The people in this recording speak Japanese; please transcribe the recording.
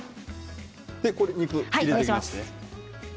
肉を入れていきます。